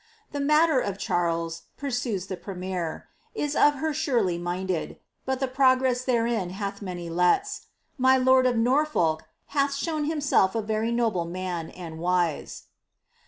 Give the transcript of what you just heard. *• The matter of Charles," pursues the premier, " is of her surely minded ; but the progress therein hath many lets. i\Iy lord of Norfolk hath showed himself a very noble man, and wise.'